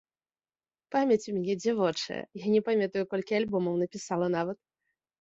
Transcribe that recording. Памяць у мяне дзявочая, я не памятаю, колькі альбомаў напісала, нават.